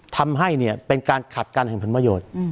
ทำให้เป็นการขัดการแห่งผลประโยชน์